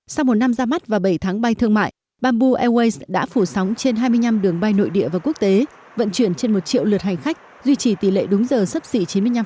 sau một năm ra mắt và bảy tháng bay thương mại bamboo airways đã phủ sóng trên hai mươi năm đường bay nội địa và quốc tế vận chuyển trên một triệu lượt hành khách duy trì tỷ lệ đúng giờ sấp xỉ chín mươi năm